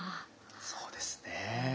そうですね。